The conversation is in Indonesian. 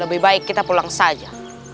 lebih baik kita pulang saja